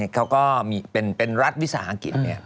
เขาก็เป็นรัฐวิสาหกิจ